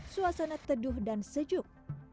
suasana teduh dan sejuk